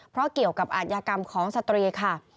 เพราะเกี่ยวกับอาทยากรรมของสตรีค่ะ